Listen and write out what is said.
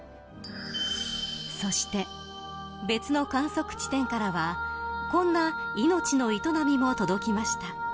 そして、別の観測地点からはこんな命の営みも届きました。